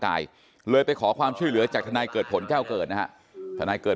กายเลยไปขอความช่วยเหลือจากทนายเกิดผลแก้วเกิดนะฮะทนายเกิด